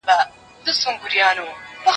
خو په شا یې وړل درانه درانه بارونه